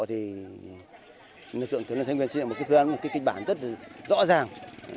thì lực lượng cấp lâm xây dựng một kinh bản rất rõ ràng